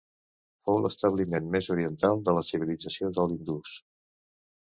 Fou l'establiment més oriental de la civilització de l'Indus.